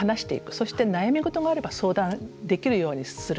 そして悩み事があれば相談できるようにする。